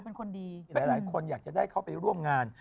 เป็นพี่ยากจะได้กลับไปร่วมงาน